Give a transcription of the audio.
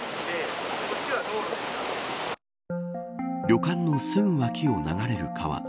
旅館のすぐ脇を流れる川。